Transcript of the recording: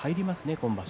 今場所。